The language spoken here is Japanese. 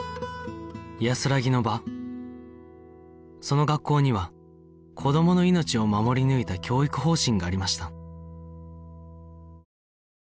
その学校には子どもの命を守り抜いた教育方針がありました